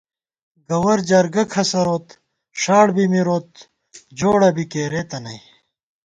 گوَر جرگہ کھسَروت، ݭاڑ بی مِروت جوڑہ بی کېرېتہ نئ